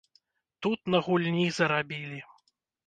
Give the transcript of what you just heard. Тут на гульні зарабілі!